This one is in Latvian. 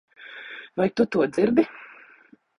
Vai tu to dzirdi?